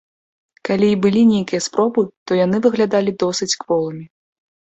Калі і былі нейкія спробы, то яны выглядалі досыць кволымі.